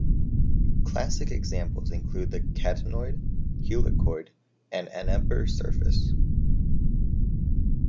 Classic examples include the catenoid, helicoid and Enneper surface.